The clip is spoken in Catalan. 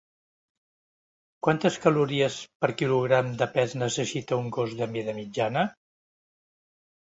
Quantes calories per quilogram de pes necessita un gos de mida mitjana?